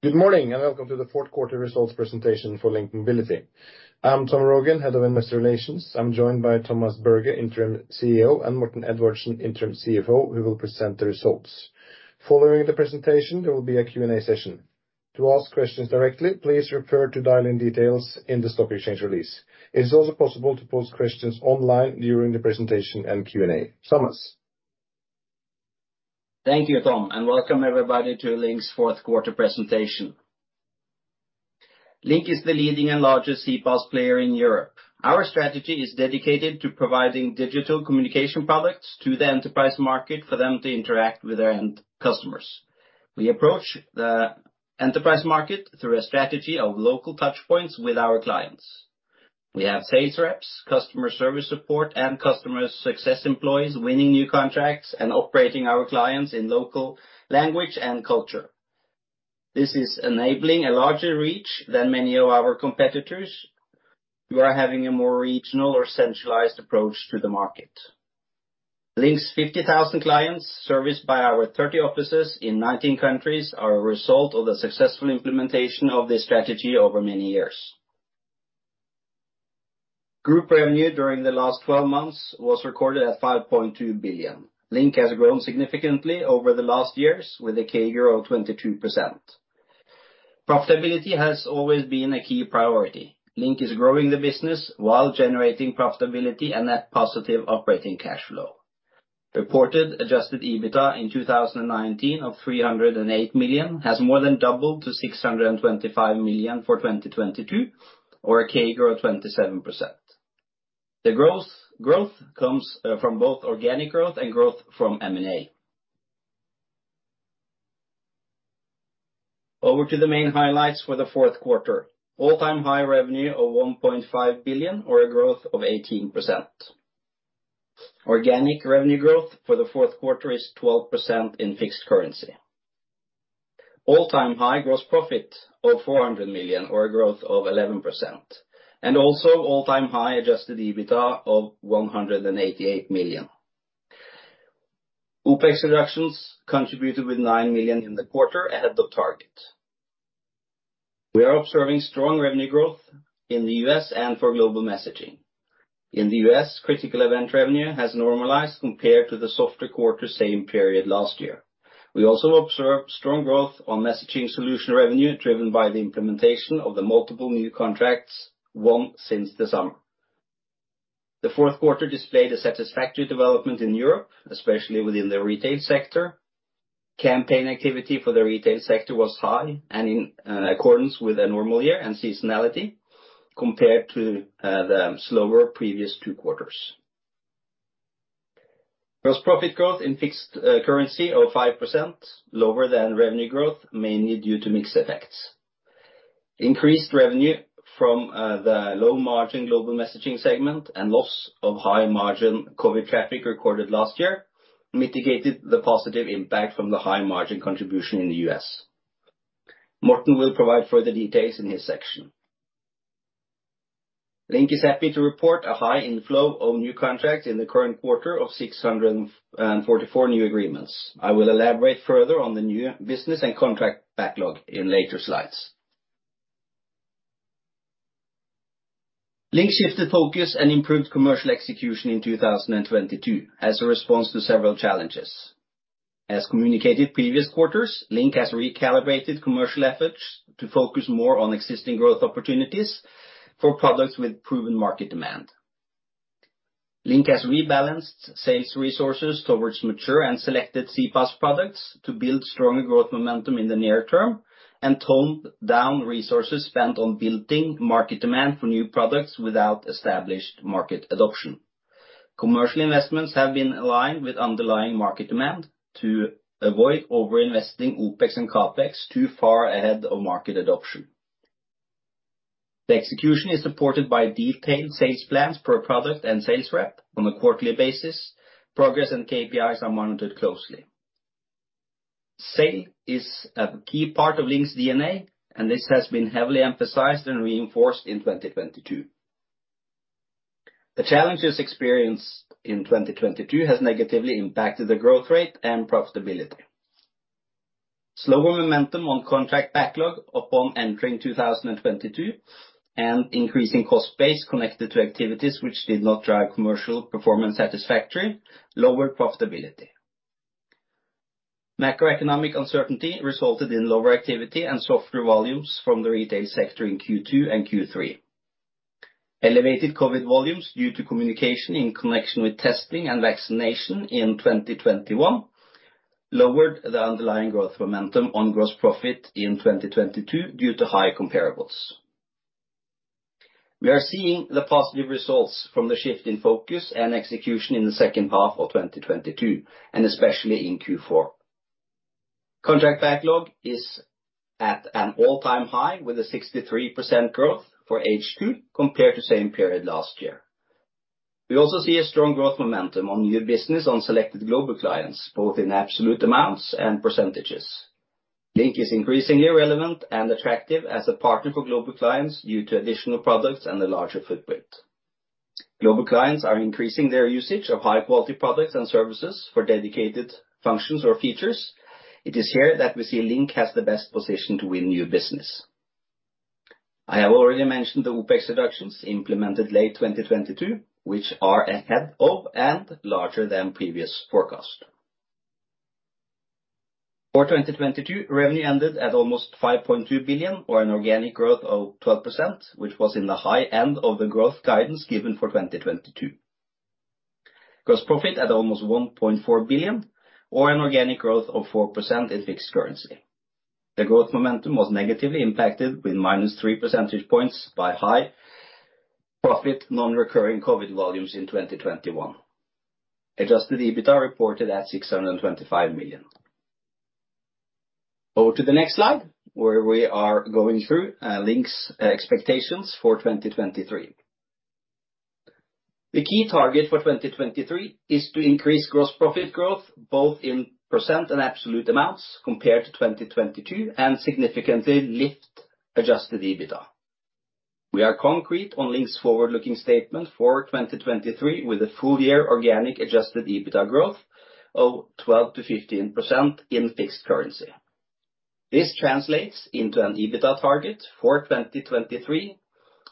Good morning, welcome to the fourth quarter results presentation for Link Mobility. I'm Tom Rogn, Head of Investor Relations. I'm joined by Thomas Berge, Interim CEO, and Morten Edvardsen, Interim CFO, who will present the results. Following the presentation, there will be a Q&A session. To ask questions directly, please refer to dial-in details in the stock exchange release. It is also possible to post questions online during the presentation and Q&A. Thomas. Thank you, Tom, and welcome everybody to LINK's fourth quarter presentation. LINK is the leading and largest CPaaS player in Europe. Our strategy is dedicated to providing digital communication products to the enterprise market for them to interact with their end customers. We approach the enterprise market through a strategy of local touchpoints with our clients. We have sales reps, customer service support, and customer success employees winning new contracts and operating our clients in local language and culture. This is enabling a larger reach than many of our competitors who are having a more regional or centralized approach to the market. LINK's 50,000 clients, serviced by our 30 offices in 19 countries, are a result of the successful implementation of this strategy over many years. Group revenue during the last 12 months was recorded at 5.2 billion. LINK has grown significantly over the last years with a CAGR of 22%. Profitability has always been a key priority. LINK is growing the business while generating profitability and net positive operating cash flow. Reported Adjusted EBITDA in 2019 of 308 million has more than doubled to 625 million for 2022, or a CAGR of 27%. The growth comes from both organic growth and growth from M&A. Over to the main highlights for the fourth quarter. All-time high revenue of 1.5 billion or a growth of 18%. Organic revenue growth for the fourth quarter is 12% in fixed currency. All-time high gross profit of 400 million or a growth of 11%. Also all-time high Adjusted EBITDA of 188 million. OpEx reductions contributed with 9 million in the quarter ahead of target. We are observing strong revenue growth in the U.S. and for global messaging. In the U.S., critical event revenue has normalized compared to the softer quarter same period last year. We also observed strong growth on messaging solution revenue driven by the implementation of the multiple new contracts, one since the summer. The fourth quarter displayed a satisfactory development in Europe, especially within the retail sector. Campaign activity for the retail sector was high and in accordance with a normal year and seasonality compared to the slower previous two quarters. Gross profit growth in fixed currency of 5% lower than revenue growth mainly due to mixed effects. Increased revenue from the low margin global messaging segment and loss of high margin COVID traffic recorded last year mitigated the positive impact from the high margin contribution in the US. Morten will provide further details in his section. LINK is happy to report a high inflow of new contracts in the current quarter of 644 new agreements. I will elaborate further on the new business and contract backlog in later slides. LINK shifted focus and improved commercial execution in 2022 as a response to several challenges. As communicated previous quarters, LINK has recalibrated commercial efforts to focus more on existing growth opportunities for products with proven market demand. LINK has rebalanced sales resources towards mature and selected CPaaS products to build stronger growth momentum in the near term toned down resources spent on building market demand for new products without established market adoption. Commercial investments have been aligned with underlying market demand to avoid over-investing OpEx and CapEx too far ahead of market adoption. The execution is supported by detailed sales plans per product and sales rep on a quarterly basis. Progress and KPIs are monitored closely. Sale is a key part of LINK's DNA, this has been heavily emphasized and reinforced in 2022. The challenges experienced in 2022 has negatively impacted the growth rate and profitability. Slower momentum on contract backlog upon entering 2022 increasing cost base connected to activities which did not drive commercial performance satisfactory lowered profitability. Macroeconomic uncertainty resulted in lower activity and softer volumes from the retail sector in Q2 and Q3. Elevated COVID volumes due to communication in connection with testing and vaccination in 2021 lowered the underlying growth momentum on gross profit in 2022 due to higher comparables. We are seeing the positive results from the shift in focus and execution in the second half of 2022, and especially in Q4. Contract backlog is at an all-time high with a 63% growth for H2 compared to same period last year. We also see a strong growth momentum on new business on selected global clients, both in absolute amounts and %. LINK is increasingly relevant and attractive as a partner for global clients due to additional products and a larger footprint. Global clients are increasing their usage of high quality products and services for dedicated functions or features. It is here that we see LINK has the best position to win new business. I have already mentioned the OpEx reductions implemented late 2022, which are ahead of and larger than previous forecast. For 2022, revenue ended at almost 5.2 billion or an organic growth of 12%, which was in the high end of the growth guidance given for 2022. Gross profit at almost 1.4 billion or an organic growth of 4% in fixed currency. The growth momentum was negatively impacted with -3 percentage points by high profit non-recurring COVID volumes in 2021. Adjusted EBITDA reported at 625 million. Go to the next slide where we are going through LINK's expectations for 2023. The key target for 2023 is to increase gross profit growth, both in % and absolute amounts compared to 2022 and significantly lift Adjusted EBITDA. We are concrete on LINK's forward-looking statement for 2023 with a full year organic Adjusted EBITDA growth of 12%-15% in fixed currency. This translates into an EBITDA target for 2023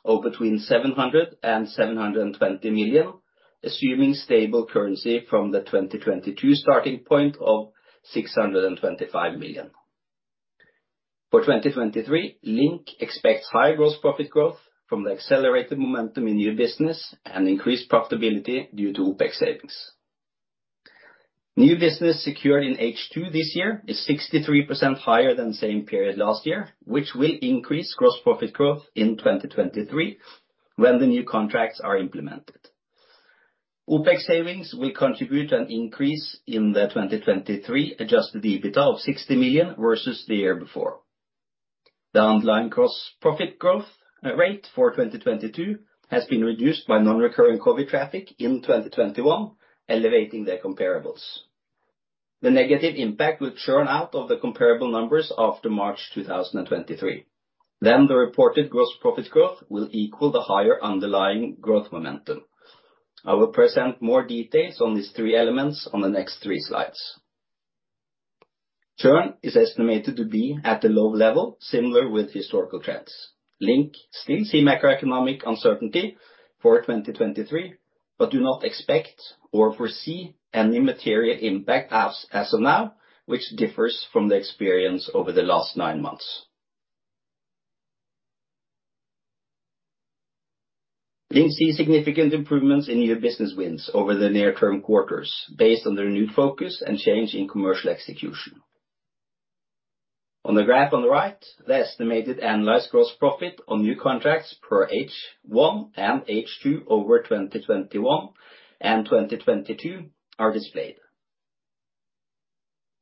of between 700 million and 720 million, assuming stable currency from the 2022 starting point of 625 million. For 2023, LINK expects high gross profit growth from the accelerated momentum in new business and increased profitability due to OpEx savings. New business secured in H2 this year is 63% higher than the same period last year, which will increase gross profit growth in 2023 when the new contracts are implemented. OpEx savings will contribute an increase in the 2023 Adjusted EBITDA of 60 million versus the year before. The underlying gross profit growth rate for 2022 has been reduced by non-recurring COVID traffic in 2021, elevating their comparables. The negative impact will churn out of the comparable numbers after March 2023. The reported gross profit growth will equal the higher underlying growth momentum. I will present more details on these three elements on the next three slides. Churn is estimated to be at a low level, similar with historical trends. LINK still see macroeconomic uncertainty for 2023, but do not expect or foresee any material impact as of now, which differs from the experience over the last nine months. LINK see significant improvements in new business wins over the near term quarters based on the renewed focus and change in commercial execution. On the graph on the right, the estimated annualized gross profit on new contracts for H1 and H2 over 2021 and 2022 are displayed.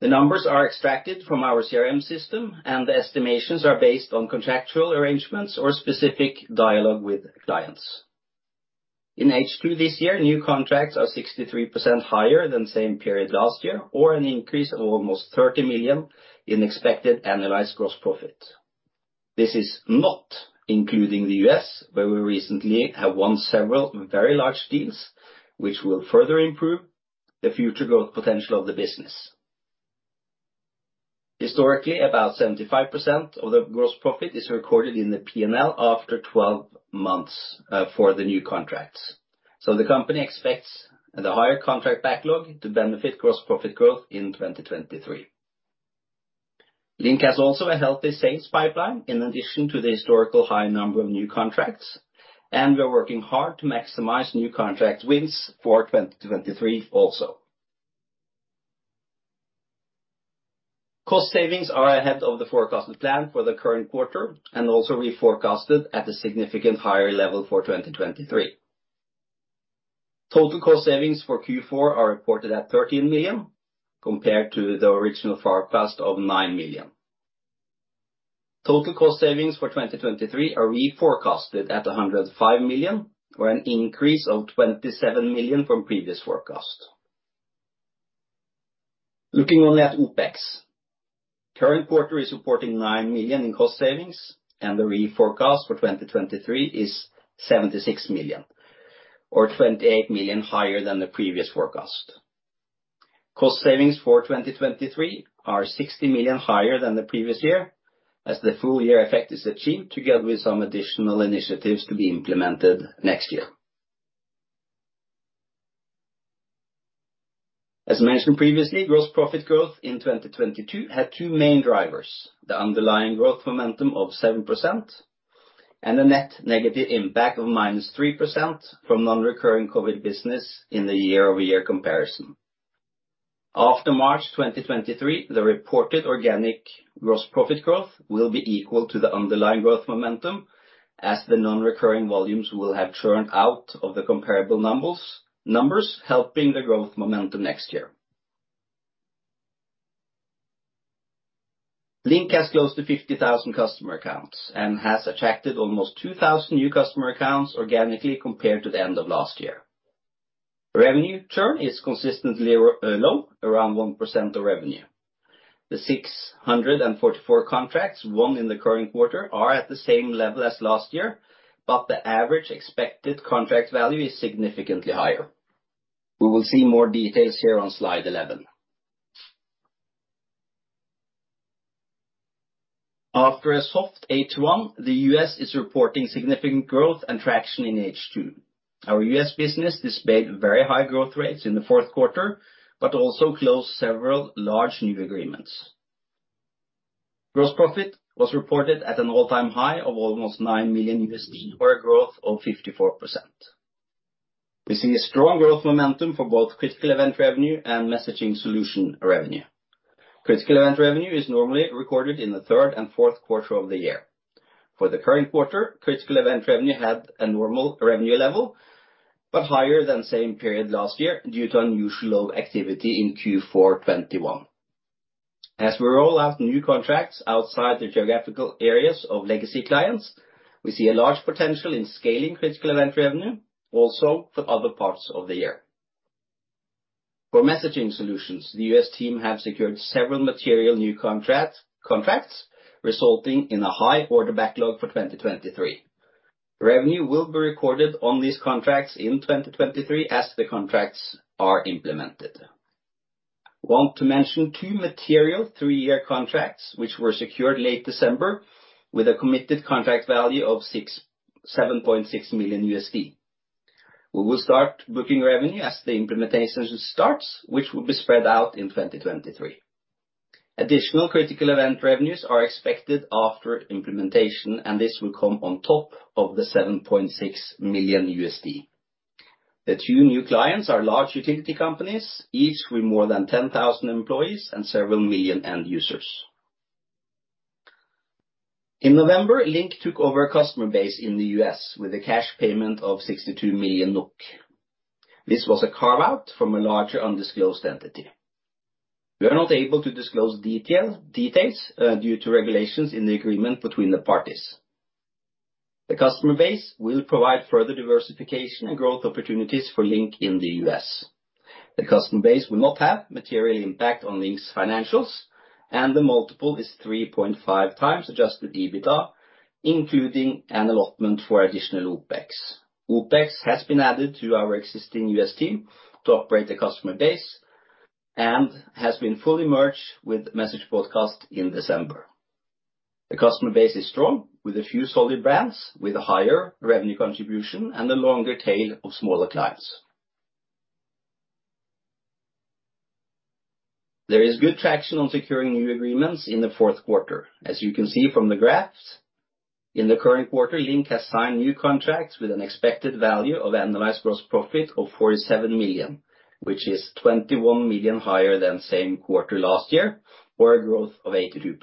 The numbers are extracted from our CRM system, the estimations are based on contractual arrangements or specific dialogue with clients. In H2 this year, new contracts are 63% higher than the same period last year or an increase of almost 30 million in expected annualized gross profit. This is not including the U.S., where we recently have won several very large deals which will further improve the future growth potential of the business. Historically, about 75% of the gross profit is recorded in the P&L after 12 months for the new contracts. The company expects the higher contract backlog to benefit gross profit growth in 2023. LINK has also a healthy sales pipeline in addition to the historical high number of new contracts, and we're working hard to maximize new contract wins for 2023 also. Cost savings are ahead of the forecasted plan for the current quarter and also reforecasted at a significant higher level for 2023. Total cost savings for Q4 are reported at 13 million compared to the original forecast of 9 million. Total cost savings for 2023 are reforecasted at 105 million or an increase of 27 million from previous forecast. Looking only at OpEx, current quarter is reporting 9 million in cost savings and the reforecast for 2023 is 76 million or 28 million higher than the previous forecast. Cost savings for 2023 are 60 million higher than the previous year as the full year effect is achieved together with some additional initiatives to be implemented next year. Mentioned previously, gross profit growth in 2022 had two main drivers: the underlying growth momentum of 7% and a net negative impact of -3% from non-recurring COVID business in the year-over-year comparison. After March 2023, the reported organic gross profit growth will be equal to the underlying growth momentum as the non-recurring volumes will have churned out of the comparable numbers helping the growth momentum next year. LINK has close to 50,000 customer accounts and has attracted almost 2,000 new customer accounts organically compared to the end of last year. Revenue churn is consistently low, around 1% of revenue. The 644 contracts won in the current quarter are at the same level as last year, but the average expected contract value is significantly higher. We will see more details here on slide 11. After a soft H1, the U.S. is reporting significant growth and traction in H2. Our U.S. business displayed very high growth rates in the fourth quarter, but also closed several large new agreements. Gross profit was reported at an all-time high of almost $9 million, or a growth of 54%. We see a strong growth momentum for both critical event revenue and messaging solution revenue. Critical event revenue is normally recorded in the third and fourth quarter of the year. For the current quarter, critical event revenue had a normal revenue level, but higher than same period last year due to unusual activity in Q4 2021. We roll out new contracts outside the geographical areas of legacy clients, we see a large potential in scaling critical event revenue also for other parts of the year. For messaging solutions, the U.S. team have secured several material new contracts, resulting in a high order backlog for 2023. Revenue will be recorded on these contracts in 2023 as the contracts are implemented. Want to mention two material three-year contracts which were secured late December with a committed contract value of $7.6 million. We will start booking revenue as the implementation starts, which will be spread out in 2023. Additional critical event revenues are expected after implementation, this will come on top of the $7.6 million. The two new clients are large utility companies, each with more than 10,000 employees and several million end users. In November, LINK took over a customer base in the U.S. with a cash payment of 62 million NOK. This was a carve-out from a larger undisclosed entity. We are not able to disclose details due to regulations in the agreement between the parties. The customer base will provide further diversification and growth opportunities for LINK in the U.S. The customer base will not have material impact on LINK's financials, the multiple is 3.5x Adjusted EBITDA, including an allotment for additional OpEx. OpEx has been added to our existing U.S. team to operate the customer base, has been fully merged with Message Broadcast in December. The customer base is strong, with a few solid brands with a higher revenue contribution and a longer tail of smaller clients. There is good traction on securing new agreements in the fourth quarter. As you can see from the graphs, in the current quarter, LINK has signed new contracts with an expected value of annualized gross profit of 47 million, which is 21 million higher than same quarter last year, or a growth of 82%.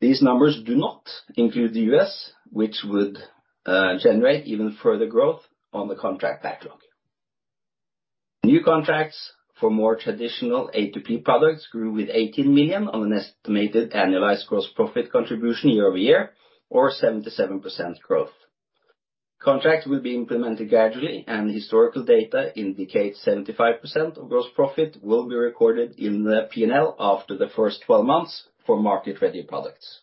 These numbers do not include the US, which would generate even further growth on the contract backlog. New contracts for more traditional A2P products grew with 18 million on an estimated annualized gross profit contribution year-over-year or 77% growth. Contracts will be implemented gradually, and historical data indicates 75% of gross profit will be recorded in the P&L after the first 12 months for market-ready products.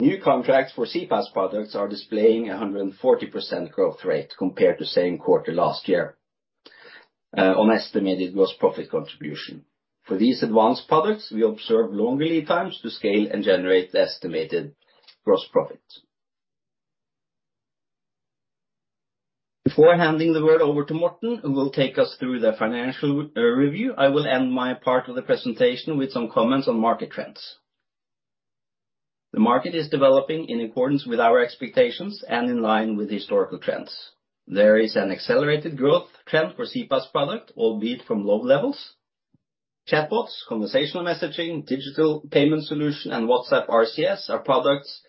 New contracts for CPaaS products are displaying a 140% growth rate compared to same quarter last year on estimated gross profit contribution. For these advanced products, we observe longer lead times to scale and generate estimated gross profit. Before handing the word over to Morten, who will take us through the financial review, I will end my part of the presentation with some comments on market trends. The market is developing in accordance with our expectations and in line with historical trends. There is an accelerated growth trend for CPaaS product, albeit from low levels. chatbots, conversational messaging, digital payment solution, and WhatsApp RCS are products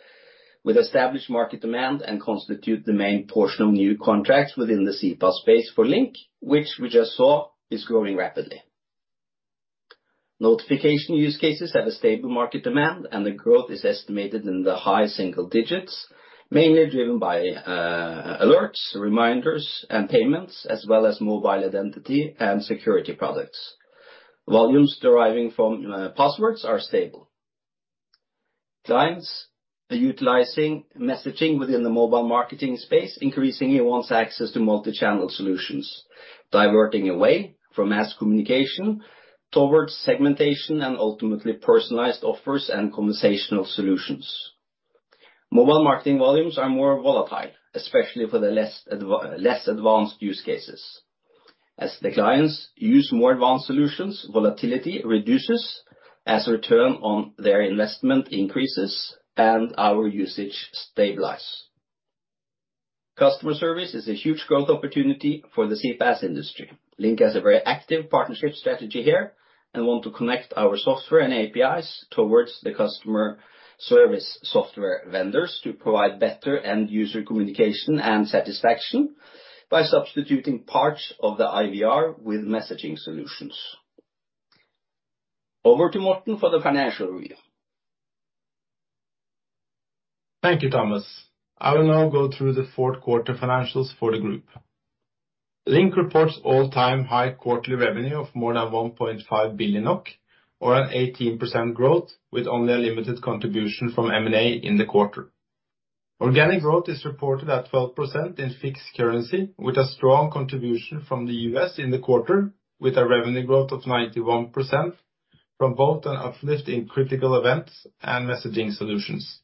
with established market demand and constitute the main portion of new contracts within the CPaaS space for LINK, which we just saw is growing rapidly. Notification use cases have a stable market demand, and the growth is estimated in the high single digits, mainly driven by alerts, reminders, and payments, as well as mobile identity and security products. Volumes deriving from passwords are stable. Clients utilizing messaging within the mobile marketing space increasingly wants access to multi-channel solutions, diverting away from mass communication towards segmentation and ultimately personalized offers and conversational solutions. Mobile marketing volumes are more volatile, especially for the less advanced use cases. As the clients use more advanced solutions, volatility reduces as return on their investment increases and our usage stabilizes. Customer service is a huge growth opportunity for the CPaaS industry. LINK has a very active partnership strategy here and want to connect our software and APIs towards the customer service software vendors to provide better end-user communication and satisfaction by substituting parts of the IVR with messaging solutions. Over to Morten for the financial review. Thank you, Thomas. I will now go through the fourth quarter financials for the group. LINK reports all-time high quarterly revenue of more than 1.5 billion NOK or an 18% growth with only a limited contribution from M&A in the quarter. Organic growth is reported at 12% in fixed currency, with a strong contribution from the U.S. in the quarter, with a revenue growth of 91% from both an uplift in critical events and messaging solutions.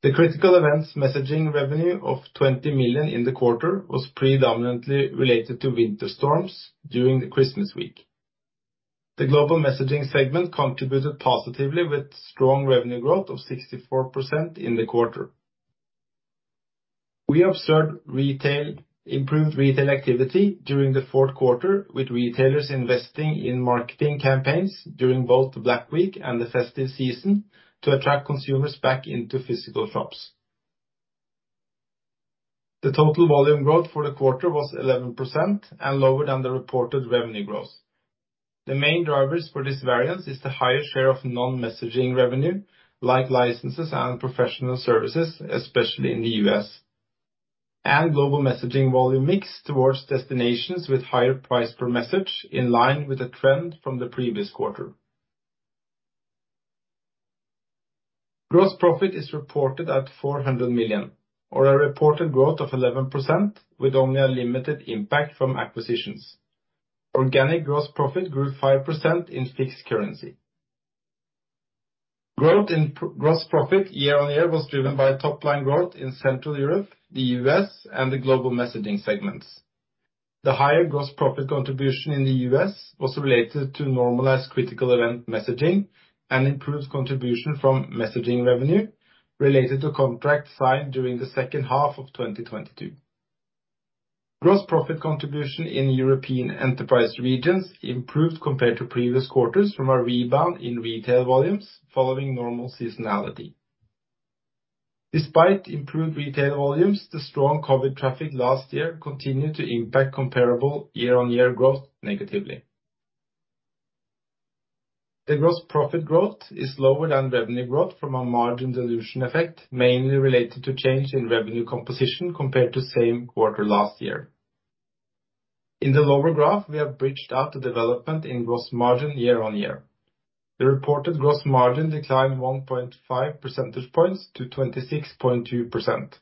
The critical events messaging revenue of 20 million in the quarter was predominantly related to winter storms during the Christmas week. The global messaging segment contributed positively with strong revenue growth of 64% in the quarter. We observed improved retail activity during the fourth quarter, with retailers investing in marketing campaigns during both the Black Week and the festive season to attract consumers back into physical shops. The total volume growth for the quarter was 11% and lower than the reported revenue growth. The main drivers for this variance is the higher share of non-messaging revenue, like licenses and professional services, especially in the U.S. Global messaging volume mix towards destinations with higher price per message, in line with the trend from the previous quarter. Gross profit is reported at 400 million or a reported growth of 11%, with only a limited impact from acquisitions. Organic gross profit grew 5% in fixed currency. Growth in gross profit year-over-year was driven by a top-line growth in Central Europe, the U.S., and the global messaging segments. The higher gross profit contribution in the US was related to normalized critical event messaging and improved contribution from messaging revenue related to contracts signed during the second half of 2022. Gross profit contribution in European enterprise regions improved compared to previous quarters from a rebound in retail volumes following normal seasonality. Despite improved retail volumes, the strong COVID traffic last year continued to impact comparable year-on-year growth negatively. The gross profit growth is lower than revenue growth from a margin dilution effect, mainly related to change in revenue composition compared to same quarter last year. In the lower graph, we have bridged out the development in gross margin year-on-year. The reported gross margin declined 1.5 percentage points to 26.2%.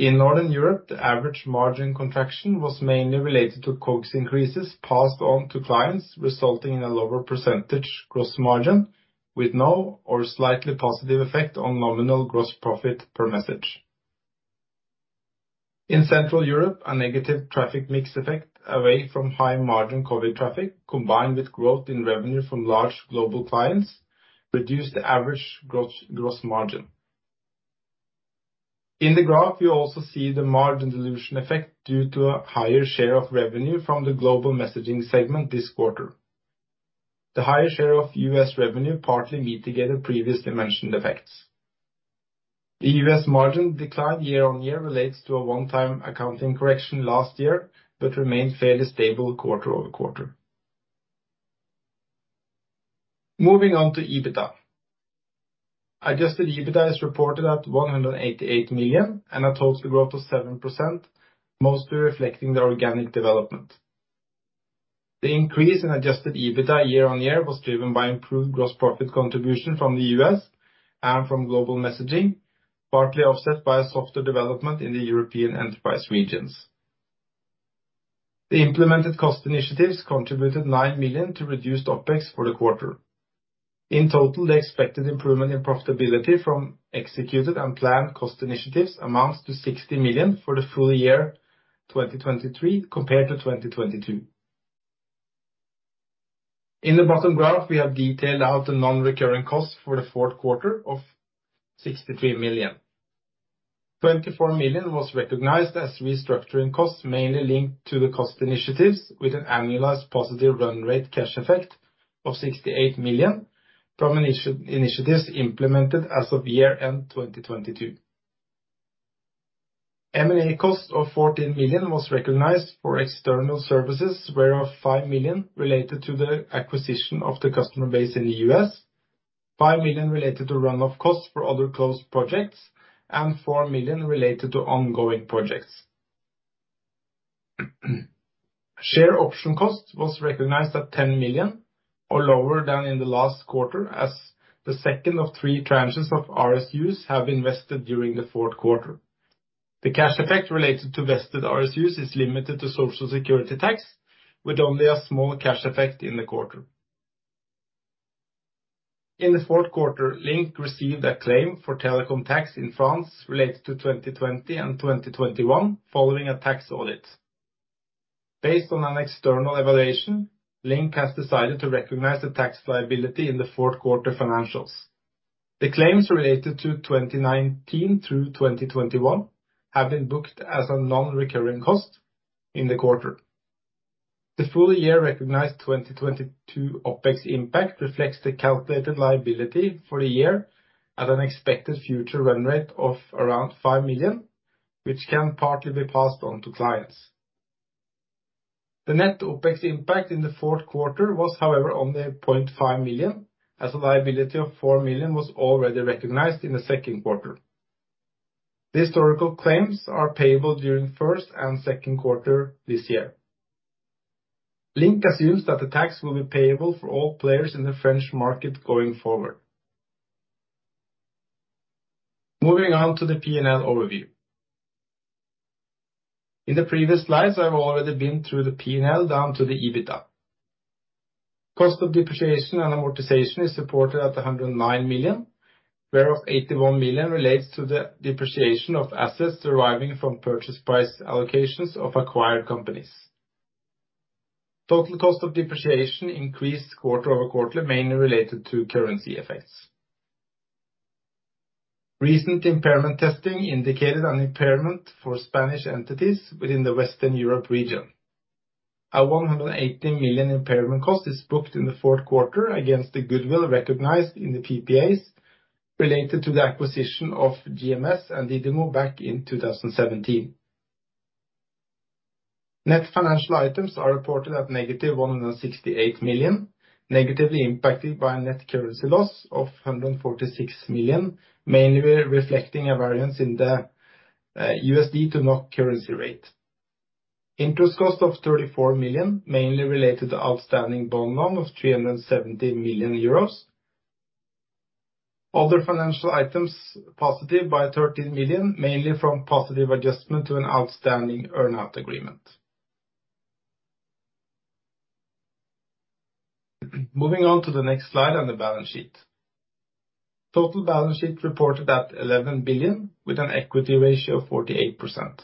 In Northern Europe, the average margin contraction was mainly related to COGS increases passed on to clients, resulting in a lower percentage gross margin with no or slightly positive effect on nominal gross profit per message. In Central Europe, a negative traffic mix effect away from high margin COVID traffic, combined with growth in revenue from large global clients, reduced the average gross margin. In the graph, you also see the margin dilution effect due to a higher share of revenue from the global messaging segment this quarter. The higher share of U.S. revenue partly mitigate the previously mentioned effects. The U.S. margin decline year-on-year relates to a one-time accounting correction last year, but remained fairly stable quarter-over-quarter. Moving on to EBITDA. Adjusted EBITDA is reported at 188 million and a total growth of 7%, mostly reflecting the organic development. The increase in Adjusted EBITDA year-on-year was driven by improved gross profit contribution from the U.S. and from global messaging, partly offset by a softer development in the European enterprise regions. The implemented cost initiatives contributed 9 million to reduced OpEx for the quarter. In total, the expected improvement in profitability from executed and planned cost initiatives amounts to 60 million for the full year 2023 compared to 2022. In the bottom graph, we have detailed out the non-recurring costs for the fourth quarter of 63 million. 24 million was recognized as restructuring costs, mainly linked to the cost initiatives, with an annualized positive run rate cash effect of 68 million from initiatives implemented as of year-end 2022. M&A cost of 14 million was recognized for external services, whereof 5 million related to the acquisition of the customer base in the U.S., 5 million related to run-off costs for other closed projects, and 4 million related to ongoing projects. Share option cost was recognized at 10 million or lower than in the last quarter as the second of three tranches of RSUs have invested during the fourth quarter. The cash effect related to vested RSUs is limited to Social Security tax, with only a small cash effect in the quarter. In the fourth quarter, LINK received a claim for telecom tax in France related to 2020 and 2021 following a tax audit. Based on an external evaluation, LINK has decided to recognize the tax liability in the fourth quarter financials. The claims related to 2019 through 2021 have been booked as a non-recurring cost in the quarter. The full year recognized 2022 OpEx impact reflects the calculated liability for the year at an expected future run rate of around 5 million, which can partly be passed on to clients. The net OpEx impact in the fourth quarter was however only 0.5 million, as a liability of 4 million was already recognized in the second quarter. The historical claims are payable during first and second quarter this year. LINK assumes that the tax will be payable for all players in the French market going forward. Moving on to the P&L overview. In the previous slides, I've already been through the P&L down to the EBITDA. Cost of depreciation and amortization is supported at 109 million, where of 81 million relates to the depreciation of assets deriving from Purchase Price Allocations of acquired companies. Total cost of depreciation increased quarter-over-quarter, mainly related to currency effects. Recent impairment testing indicated an impairment for Spanish entities within the Western Europe region. A 118 million impairment cost is booked in the fourth quarter against the goodwill recognized in the PPAs related to the acquisition of GMS and Didimo back in 2017. Net financial items are reported at negative 168 million, negatively impacted by a net currency loss of 146 million, mainly reflecting a variance in the USD to NOK currency rate. Interest cost of 34 million, mainly related to outstanding bond loan of 370 million euros. Other financial items positive by 13 million, mainly from positive adjustment to an outstanding earn-out agreement. Moving on to the next slide on the balance sheet. Total balance sheet reported at 11 billion with an equity ratio of 48%.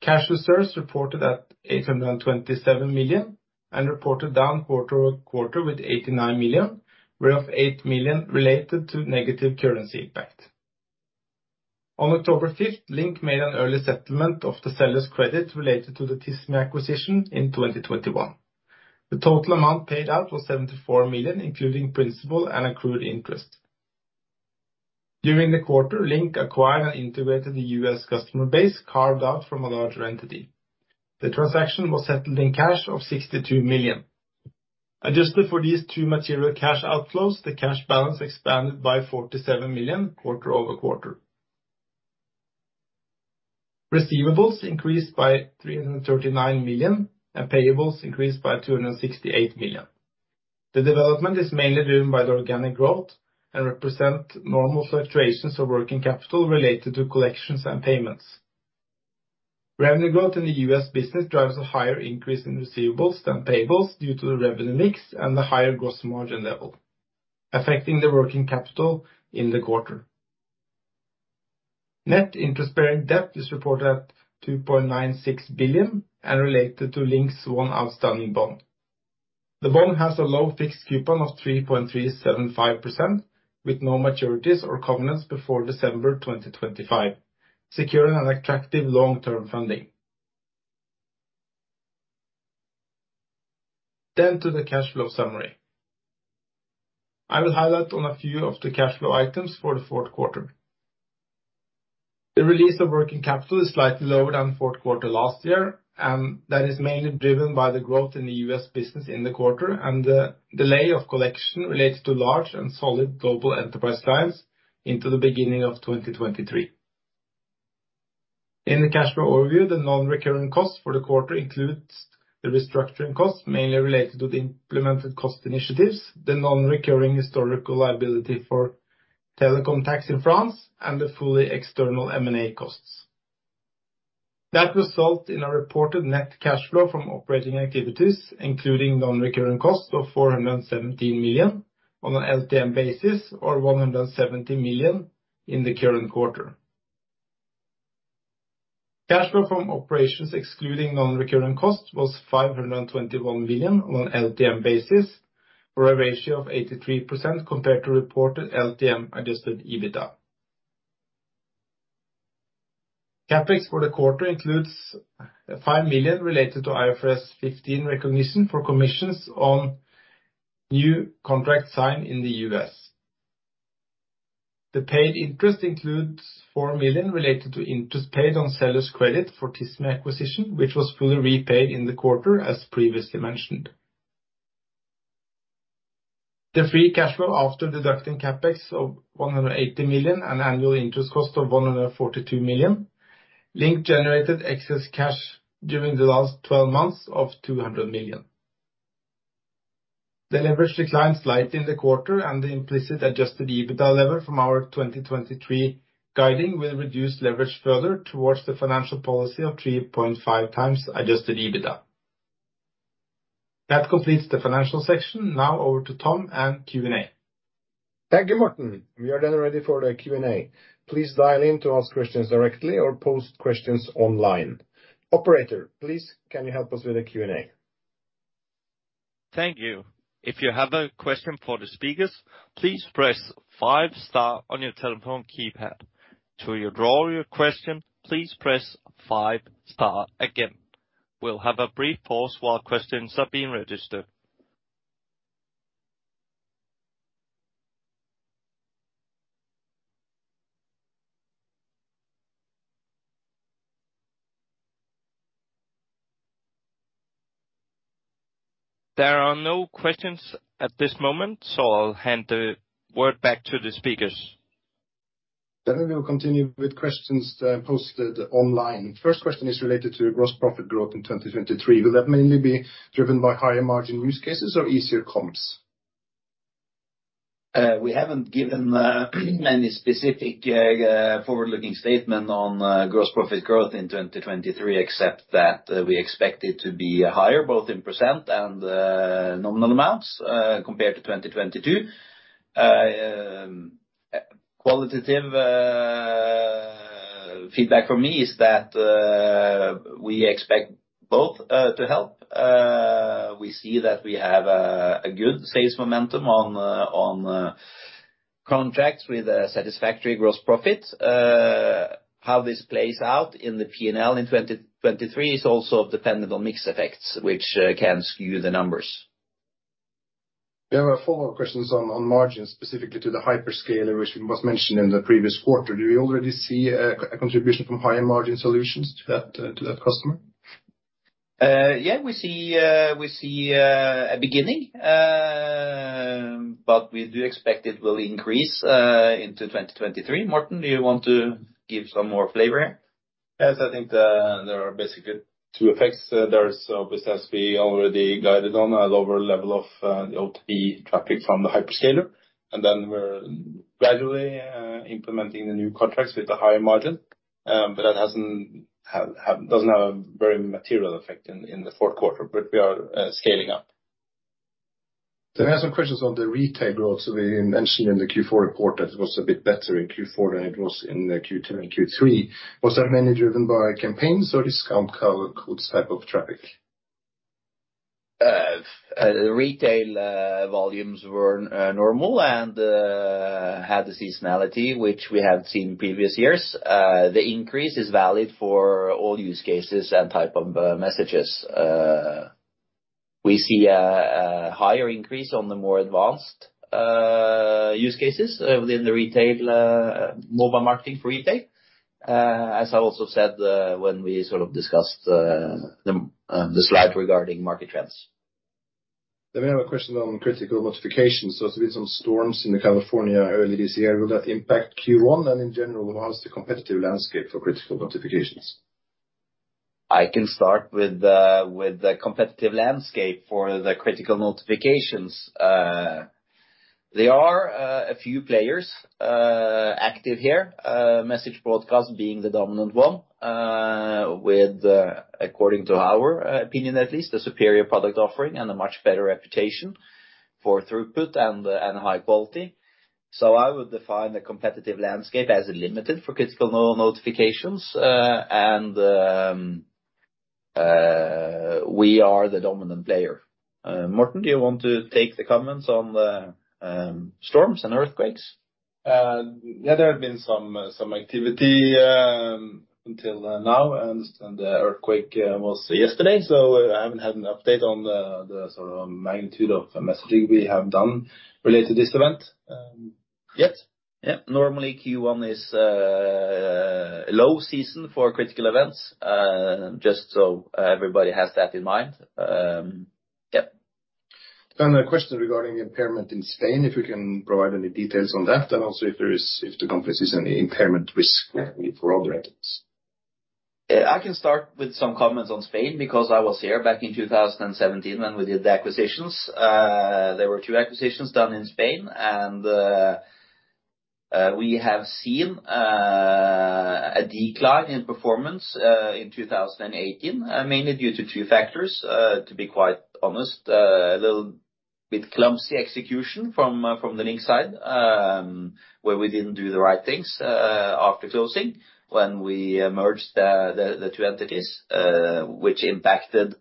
Cash reserves reported at 827 million and reported down quarter-over-quarter with 89 million, where of 8 million related to negative currency impact. On October 5th, LINK made an early settlement of the seller's credit related to the Tismi acquisition in 2021. The total amount paid out was 74 million, including principal and accrued interest. During the quarter, LINK acquired and integrated the U.S. customer base carved out from a larger entity. The transaction was settled in cash of 62 million. Adjusted for these two material cash outflows, the cash balance expanded by 47 million quarter-over-quarter. Receivables increased by 339 million, and payables increased by 268 million. The development is mainly driven by the organic growth and represent normal fluctuations of working capital related to collections and payments. Revenue growth in the U.S. business drives a higher increase in receivables than payables due to the revenue mix and the higher gross margin level, affecting the working capital in the quarter. Net interest-bearing debt is reported at 2.96 billion and related to LINK's one outstanding bond. The bond has a low fixed coupon of 3.375% with no maturities or covenants before December 2025, securing an attractive long-term funding. To the cash flow summary. I will highlight on a few of the cash flow items for the fourth quarter. The release of working capital is slightly lower than fourth quarter last year, that is mainly driven by the growth in the U.S. business in the quarter and the delay of collection related to large and solid global enterprise clients into the beginning of 2023. In the cash flow overview, the non-recurring costs for the quarter includes the restructuring costs mainly related to the implemented cost initiatives, the non-recurring historical liability for telecom tax in France, and the fully external M&A costs. That result in our reported net cash flow from operating activities, including non-recurring costs of 417 million on an LTM basis, or 170 million in the current quarter. Cash flow from operations, excluding non-recurring costs, was 521 million on an LTM basis for a ratio of 83% compared to reported LTM Adjusted EBITDA. CapEx for the quarter includes 5 million related to IFRS 15 recognition for commissions on new contracts signed in the U.S. The paid interest includes 4 million related to interest paid on seller's credit for Tismi acquisition, which was fully repaid in the quarter as previously mentioned. The free cash flow after deducting CapEx of 180 million and annual interest cost of 142 million, LINK generated excess cash during the last 12 months of 200 million. The leverage declined slightly in the quarter and the implicit Adjusted EBITDA level from our 2023 guiding will reduce leverage further towards the financial policy of 3.5 times Adjusted EBITDA. That completes the financial section. Now over to Tom and Q&A. Thank you, Morten. We are then ready for the Q&A. Please dial in to ask questions directly or post questions online. Operator, please can you help us with the Q&A? Thank you. If you have a question for the speakers, please press five star on your telephone keypad. To withdraw your question, please press five star again. We'll have a brief pause while questions are being registered. There are no questions at this moment, I'll hand the word back to the speakers. We will continue with questions posted online. First question is related to gross profit growth in 2023. Will that mainly be driven by higher margin use cases or easier comps? We haven't given any specific forward-looking statement on gross profit growth in 2023, except that we expect it to be higher both in percent and nominal amounts compared to 2022. Qualitative feedback from me is that we expect both to help. We see that we have a good sales momentum on on contracts with a satisfactory gross profit. How this plays out in the P&L in 2023 is also dependent on mix effects, which can skew the numbers. We have a follow-up questions on margins, specifically to the hyperscaler, which was mentioned in the previous quarter. Do you already see a contribution from higher margin solutions to that customer? Yeah, we see, a beginning, but we do expect it will increase into 2023. Morten, do you want to give some more flavor here? Yes, I think, there are basically two effects. There is, business we already guided on, a lower level of, the OTP traffic from the hyperscaler, and then we're gradually, implementing the new contracts with a higher margin, but that doesn't have a very material effect in the fourth quarter, but we are, scaling up. I have some questions on the retail growth. We mentioned in the Q4 report that it was a bit better in Q4 than it was in Q2 and Q3. Was that mainly driven by campaigns or discount code type of traffic? The retail volumes were normal and had the seasonality which we have seen previous years. The increase is valid for all use cases and type of messages. We see a higher increase on the more advanced use cases within the retail, mobile marketing for retail, as I also said, when we sort of discussed the slide regarding market trends. We have a question on critical notifications. There's been some storms in the California early this year. Will that impact Q1? In general, how is the competitive landscape for critical notifications? I can start with the competitive landscape for the critical notifications. There are a few players active here, Message Broadcast being the dominant one, with according to our opinion at least, a superior product offering and a much better reputation for throughput and high quality. I would define the competitive landscape as limited for critical notifications, and we are the dominant player. Morten, do you want to take the comments on the storms and earthquakes? Yeah, there have been some activity until now. The earthquake was yesterday. I haven't had an update on the sort of magnitude of the messaging we have done related to this event. Yes. Yeah, normally Q1 is a low season for critical events, just so everybody has that in mind. Yeah. A question regarding impairment in Spain, if you can provide any details on that, and also if the company sees any impairment risk for other items. I can start with some comments on Spain because I was here back in 2017 when we did the acquisitions. There were two acquisitions done in Spain and we have seen a decline in performance in 2018, mainly due to two factors, to be quite honest. A little bit clumsy execution from the LINK side, where we didn't do the right things after closing when we merged the two entities, which impacted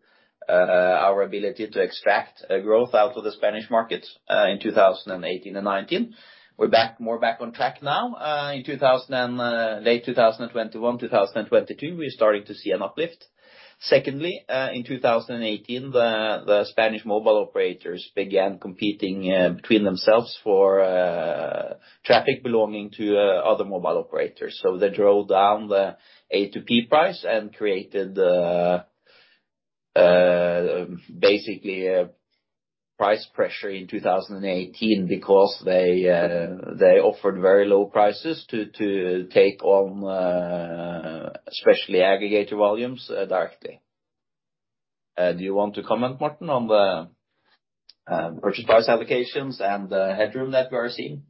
our ability to extract growth out of the Spanish market in 2018 and 2019. We're more back on track now. In late 2021, 2022, we're starting to see an uplift. Secondly, in 2018, the Spanish mobile operators began competing between themselves for traffic belonging to other mobile operators. They drove down the A2P price and created basically price pressure in 2018 because they offered very low prices to take on especially aggregator volumes directly. Do you want to comment, Morten, on the Purchase Price Allocations and the headroom that we are seeing?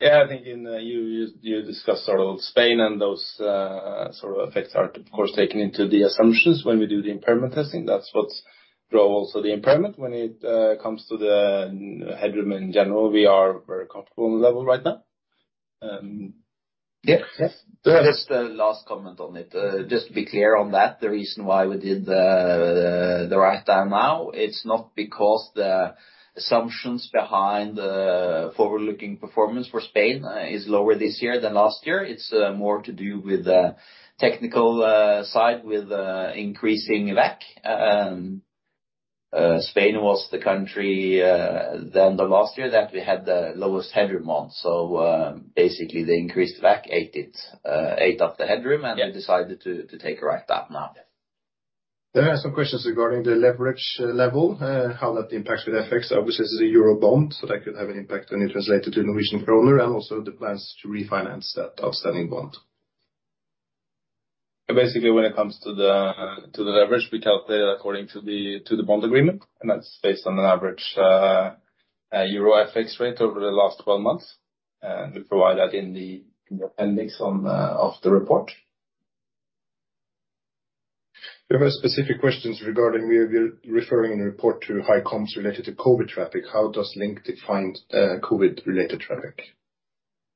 Yeah, I think you discussed sort of Spain and those sort of effects are of course taken into the assumptions when we do the impairment testing. That's what drove also the impairment. When it comes to the headroom in general, we are very comfortable on the level right now. Yes. Yes. Just a last comment on it. Just to be clear on that, the reason why we did the writedown now, it's not because the assumptions behind the forward-looking performance for Spain is lower this year than last year. It's more to do with the technical side, with increasing WACC. Spain was the country then the last year that we had the lowest headroom on. Basically, the increased WACC ate up the headroom. Yeah. We decided to take a write that now. Yeah. There are some questions regarding the leverage level, how that impacts with FX. This is a EUR bond, so that could have an impact when you translate it to NOK, and also the plans to refinance that outstanding bond. Basically, when it comes to the leverage, we calculate according to the bond agreement, and that's based on an average EUR-FX rate over the last 12 months, and we provide that in the appendix of the report. We have specific questions regarding we're referring in the report to high comps related to COVID traffic. How does LINK define COVID-related traffic?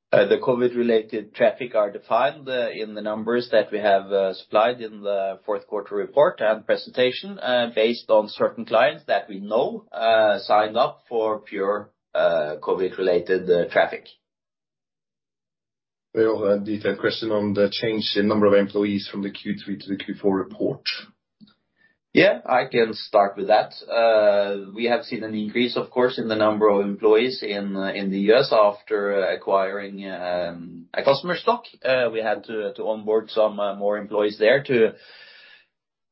The COVID-related traffic are defined in the numbers that we have supplied in the fourth quarter report and presentation, based on certain clients that we know signed up for pure COVID-related traffic. We have a detailed question on the change in number of employees from the Q3 to the Q4 report. I can start with that. We have seen an increase, of course, in the number of employees in the U.S. after acquiring a customer stock. We had to onboard some more employees there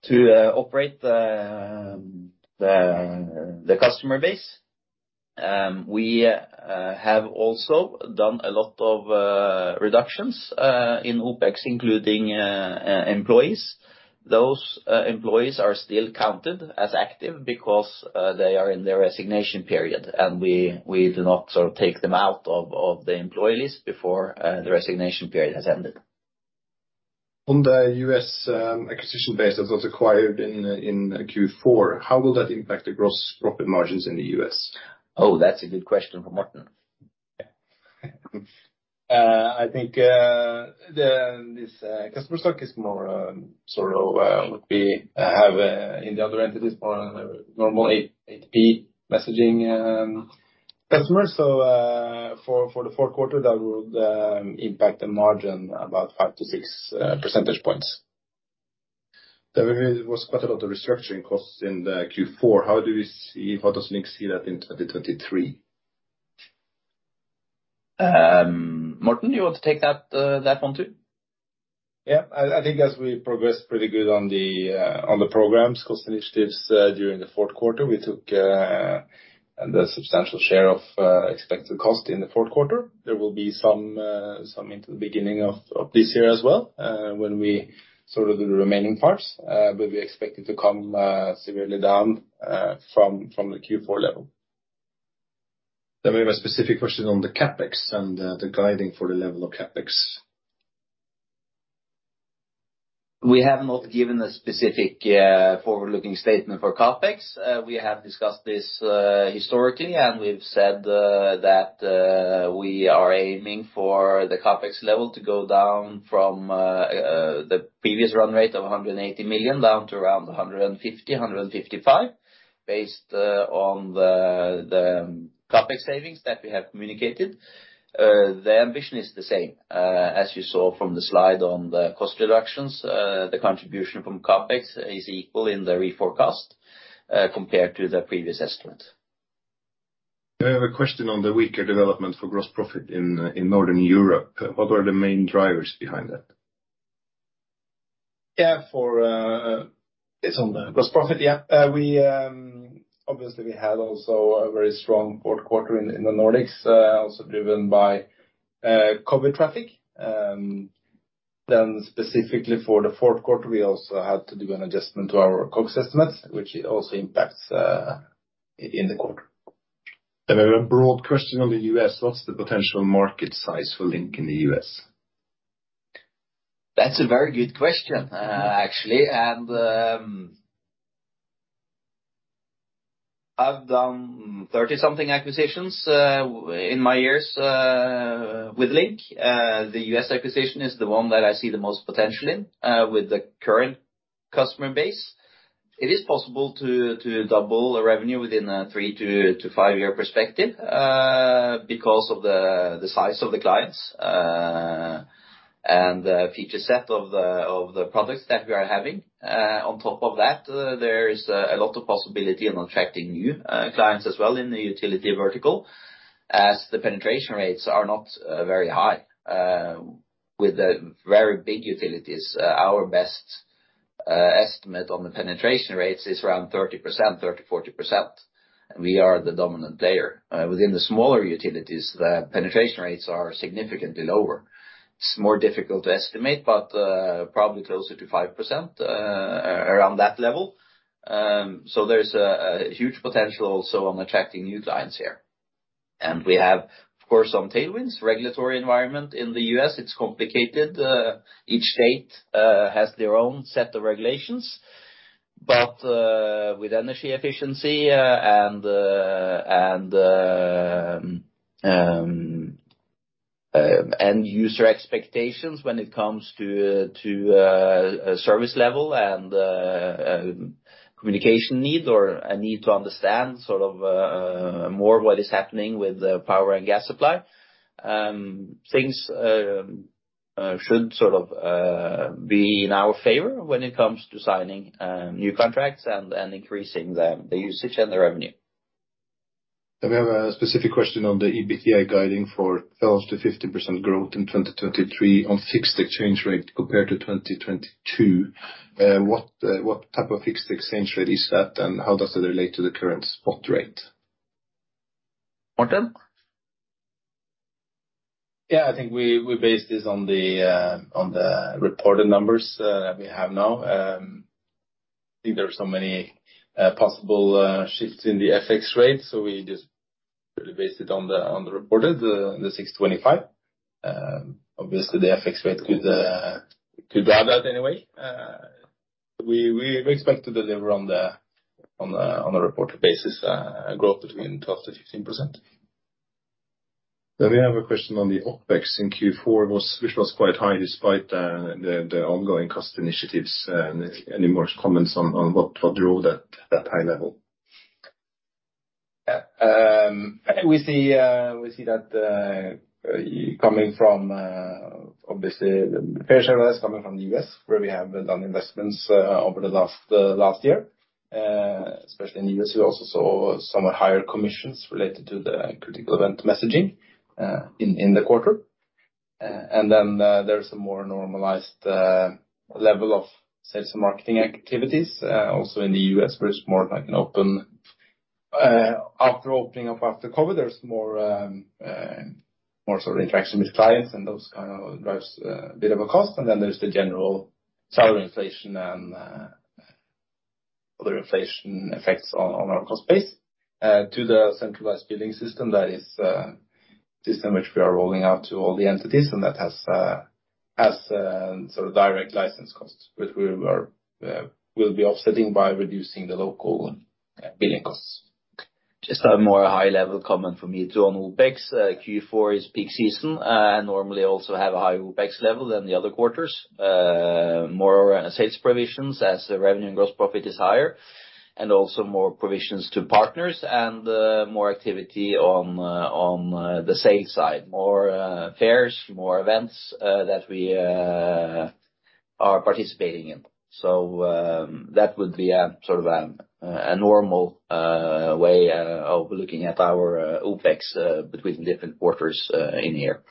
to operate the customer base. We have also done a lot of reductions in OpEx, including employees. Those employees are still counted as active because they are in their resignation period, and we do not sort of take them out of the employee list before the resignation period has ended. On the U.S. acquisition base that was acquired in Q4, how will that impact the gross profit margins in the U.S.? Oh, that's a good question from Morten. Yeah. I think the this customer stock is more sort of what we have in the other entities, more normal AP messaging customers. For the fourth quarter, that would impact the margin about 5-6 percentage points. There really was quite a lot of restructuring costs in the Q4. How does LINK see that in 2023? Morten, you want to take that one too? I think as we progressed pretty good on the programs cost initiatives, during the fourth quarter, we took the substantial share of expected cost in the fourth quarter. There will be some into the beginning of this year as well, when we sort of do the remaining parts, but we expect it to come severely down from the Q4 level. We have a specific question on the CapEx and the guiding for the level of CapEx. We have not given a specific, forward-looking statement for CapEx. We have discussed this historically, and we've said that we are aiming for the CapEx level to go down from the previous run rate of 180 million down to around 150-155, based on the CapEx savings that we have communicated. The ambition is the same. As you saw from the slide on the cost reductions, the contribution from CapEx is equal in the reforecast compared to the previous estimate. I have a question on the weaker development for gross profit in Northern Europe. What were the main drivers behind that? Yeah. For, it's on the gross profit. Yeah. We obviously had also a very strong fourth quarter in the Nordics, also driven by COVID traffic. Specifically for the fourth quarter, we also had to do an adjustment to our COGS estimates, which it also impacts in the quarter. A broad question on the U.S. What's the potential market size for LINK in the U.S.? That's a very good question, actually. I've done 30 something acquisitions in my years with LINK. The U.S. acquisition is the one that I see the most potential in with the current customer base. It is possible to double the revenue within a three to five-year perspective because of the size of the clients and the feature set of the products that we are having. On top of that, there is a lot of possibility in attracting new clients as well in the utility vertical, as the penetration rates are not very high. With the very big utilities, our best estimate on the penetration rates is around 30%, 30%-40%, and we are the dominant player. Within the smaller utilities, the penetration rates are significantly lower. It's more difficult to estimate, but probably closer to 5%, around that level. There's a huge potential also on attracting new clients here. We have, of course, some tailwinds. Regulatory environment in the U.S., it's complicated. Each state has their own set of regulations. With energy efficiency, and end user expectations when it comes to service level and communication need or a need to understand sort of more what is happening with the power and gas supply, things should sort of be in our favor when it comes to signing new contracts and increasing the usage and the revenue. We have a specific question on the EBITDA guiding for 12%-15% growth in 2023 on fixed exchange rate compared to 2022. What, what type of fixed exchange rate is that, and how does it relate to the current spot rate? Morten? I think we base this on the reported numbers that we have now. I think there are so many possible shifts in the FX rate. We just really base it on the reported, the 625. Obviously the FX rate could grab that anyway. We expect to deliver on the reported basis, growth between 12%-15%. We have a question on the OpEx in Q4 which was quite high despite the ongoing cost initiatives. Any more comments on what drove that high level? We see that coming from obviously the fair share of that is coming from the U.S. where we have done investments over the last year. Especially in the U.S., we also saw somewhat higher commissions related to the critical event messaging in the quarter. Then there's a more normalized level of sales and marketing activities also in the U.S. where it's more like after opening up after COVID, there's more sort of interaction with clients and those kind of drives a bit of a cost. Then there's the general salary inflation and other inflation effects on our cost base. To the centralized billing system that is system which we are rolling out to all the entities, and that has sort of direct license costs, which we are will be offsetting by reducing the local billing costs. Just a more high level comment from me too on OpEx. Q4 is peak season, and normally also have a higher OpEx level than the other quarters. More sales provisions as the revenue and gross profit is higher, and also more provisions to partners and more activity on on the sales side. More fares, more events that we are participating in. That would be sort of a normal way of looking at our OpEx between different quarters in here.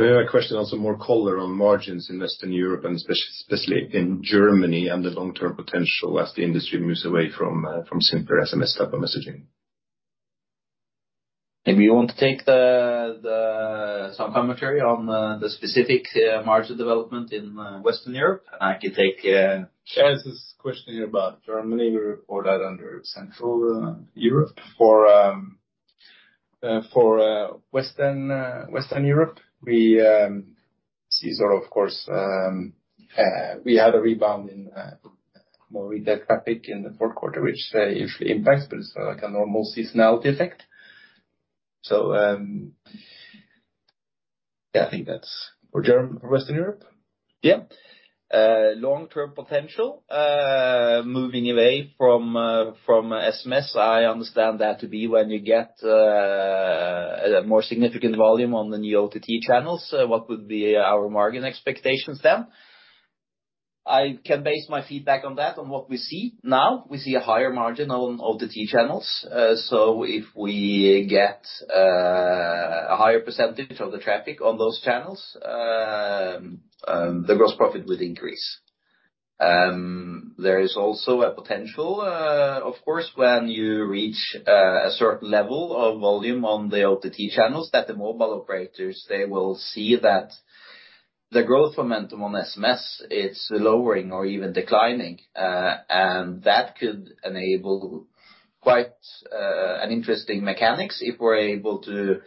We have a question on some more color on margins in Western Europe and especially in Germany and the long-term potential as the industry moves away from simpler SMS type of messaging. Maybe you want to take Some commentary on the specific margin development in Western Europe, and I can take. This question about Germany, we report that under Central Europe. For Western Europe, we see sort of course, we had a rebound in more reader traffic in the fourth quarter, which impacts, but it's like a normal seasonality effect. Yeah, I think that's for Western Europe. Long-term potential, moving away from SMS, I understand that to be when you get a more significant volume on the new OTT channels, what would be our margin expectations then? I can base my feedback on that on what we see now. We see a higher margin on OTT channels. If we get a higher percentage of the traffic on those channels, the gross profit would increase. There is also a potential, of course, when you reach a certain level of volume on the OTT channels, that the mobile operators, they will see that the growth momentum on SMS is lowering or even declining. That could enable quite an interesting mechanics if we're able to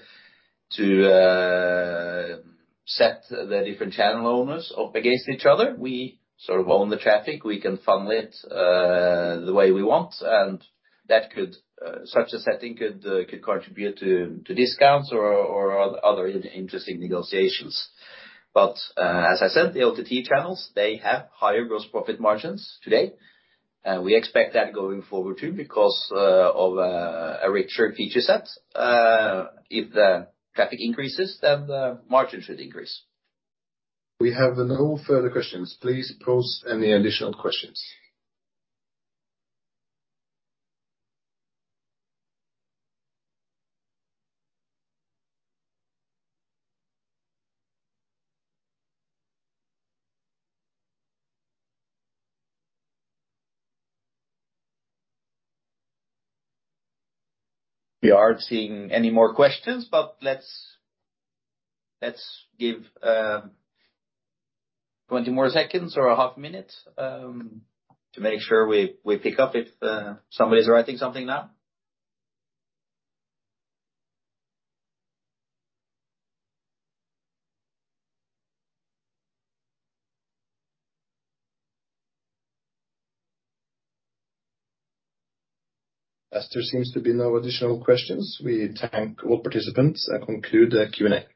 set the different channel owners up against each other. We sort of own the traffic. We can funnel it, the way we want, and that could, such a setting could contribute to discounts or other interesting negotiations. As I said, the OTT channels, they have higher gross profit margins today. We expect that going forward too because of a richer feature set. If the traffic increases, then the margin should increase. We have no further questions. Please pose any additional questions. We aren't seeing any more questions, but let's give 20 more seconds or a half minute to make sure we pick up if somebody's writing something now. As there seems to be no additional questions, we thank all participants and conclude the Q&A.